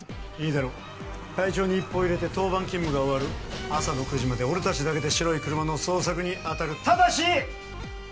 いいだろう隊長に一報入れて当番勤務が終わる朝の９時まで俺達だけで白い車の捜索にあたるただし！